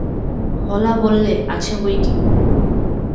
হলা বললে, আছে বৈকি।